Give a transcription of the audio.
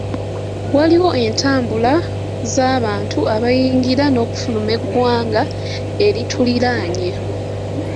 Waliwo entambula z'abantu abayingira n'okufuluma eggwanga erituliraanye.